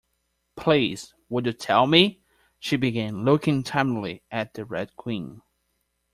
‘Please, would you tell me—’ she began, looking timidly at the Red Queen.